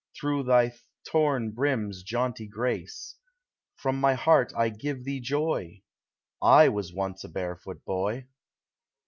Through thy torn brim's jaunty grace; From my heart I give thee joy, — I was once a barefoot boy